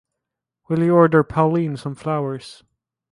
Will you order Pauline some flowers?